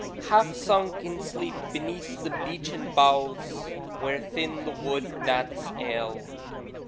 Half sunk in sleep beneath the beechen boughs, Where thin the wood gnats ail.